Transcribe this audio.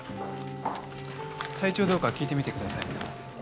体調どうか聞いてみてくださいよ。